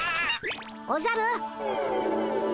おじゃる。